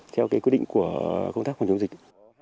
theo quy định của công tác phòng chống dịch